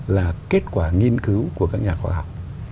là kết quả nghiên cứu của các nhà khoa học